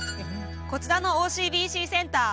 こちらのＯＣＢＣセンター